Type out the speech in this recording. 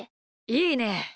いいね！